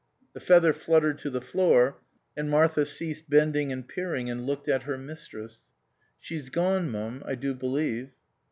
The feather fluttered to the floor, and Martha ceased bending and peering, and looked at her mistress. " She's gone, m'm, I do believe."